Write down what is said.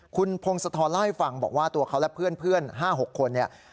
คุณพงศธรเล่าให้ฟังบอกว่าตัวเขาและเพื่อน๕๖คนเนี่ย